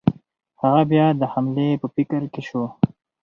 هغه بیا د حملې په فکر کې شو.